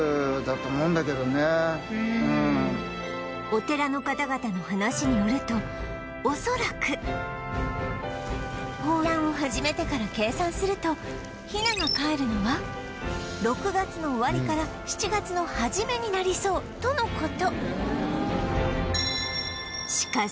お寺の方々の話によると恐らく抱卵を始めてから計算するとヒナがかえるのは６月の終わりから７月の初めになりそうとの事